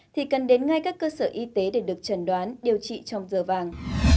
thì cần đến ngay các cơ sở y tế để được trần đoán điều trị trong giờ vàng